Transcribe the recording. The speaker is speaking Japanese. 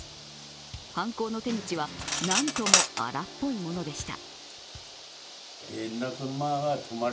犯行の手口はなんとも荒っぽいものでした。